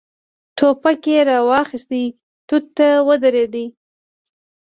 ټوپک يې را واخيست، توت ته ودرېد.